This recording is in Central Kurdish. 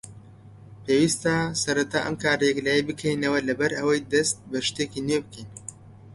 پێویستە سەرەتا ئەم کارە یەکلایی بکەینەوە بەر لەوەی دەست بە شتێکی نوێ بکەین.